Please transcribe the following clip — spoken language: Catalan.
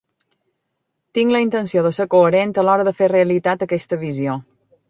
Tinc la intenció de ser coherent a l'hora de fer realitat aquesta visió.